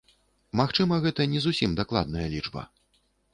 Магчыма, гэта не зусім дакладная лічба.